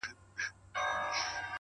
حکمت د اورېدو هنر هم دی؛